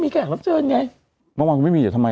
เมื่อวานก็ไม่มีทำไมอ่ะ